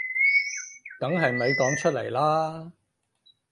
梗係咪講出嚟啦